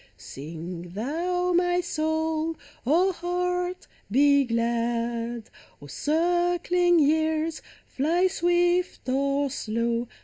Sing thou, my soul ! O heart, be glad ! O circling years, fly swift or slow